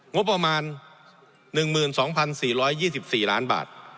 งบประมาณ๑๒๔๒๔ล้านบาท